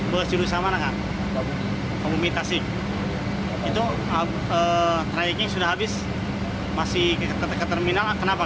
berjuru sama dengan kabupaten tasik itu traiknya sudah habis masih ke terminal kenapa